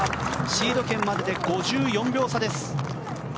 シード権までで５４秒差です。